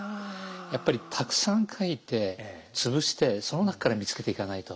やっぱりたくさん描いて潰してその中から見つけていかないと。